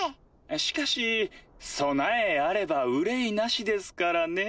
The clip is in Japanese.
しかし備えあれば憂いなしですからね。